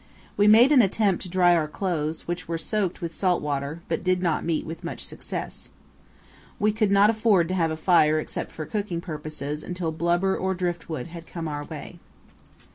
We made an attempt to dry our clothes, which were soaked with salt water, but did not meet with much success. We could not afford to have a fire except for cooking purposes until blubber or driftwood had come our way.